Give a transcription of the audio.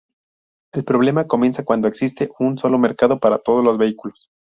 El problema comienza cuando existe un solo mercado para todos los vehículos.